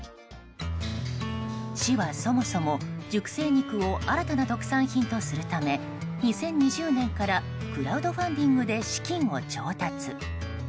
市はそもそも、熟成肉を新たな特産とするため２０２０年からクラウドファンディングで資金を調達。